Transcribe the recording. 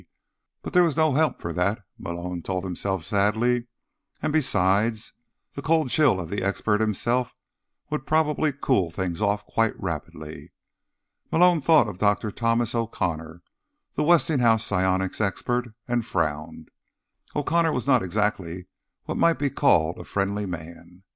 But there was no help for that, Malone told himself sadly; and, besides, the cold chill of the expert himself would probably cool things off quite rapidly. Malone thought of Dr. Thomas O'Connor, the Westinghouse psionics expert and frowned. O'Connor was not exactly what might be called a friendly man.